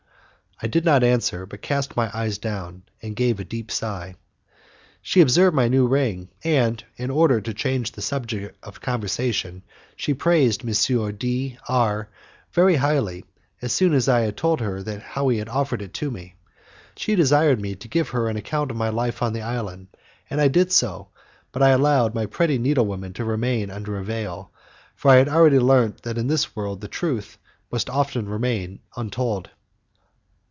I did not answer, but cast my eyes down, and gave a deep sigh. She observed my new ring, and in order to change the subject of conversation she praised M. D R very highly, as soon as I had told her how he had offered it to me. She desired me to give her an account of my life on the island, and I did so, but allowed my pretty needlewomen to remain under a veil, for I had already learnt that in this world the truth must often remain untold.